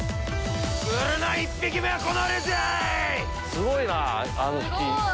すごいなあの引き。